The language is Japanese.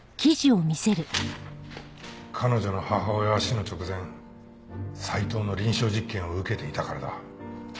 彼女の母親は死の直前斎藤の臨床実験を受けていたからだ。